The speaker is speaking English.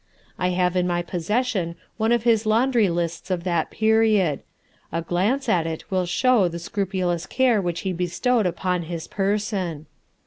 I have in my possession one of his laundry lists of that period; a glance at it will show the scrupulous care which he bestowed upon his person.